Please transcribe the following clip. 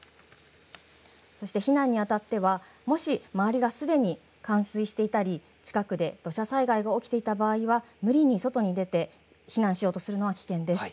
そして避難にあたってはもし周りがすでに冠水していたり近くで土砂災害が起きていた場合は無理に外に出て避難しようとするのは危険です。